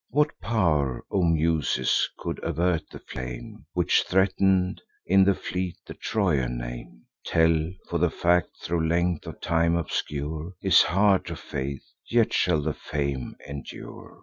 What pow'r, O Muses, could avert the flame Which threaten'd, in the fleet, the Trojan name? Tell: for the fact, thro' length of time obscure, Is hard to faith; yet shall the fame endure.